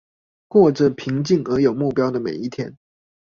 過著平靜而有目標的每一天